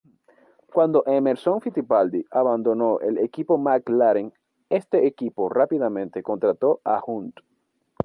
Cuando Emerson Fittipaldi abandonó el equipo McLaren, este equipo rápidamente contrató a Hunt.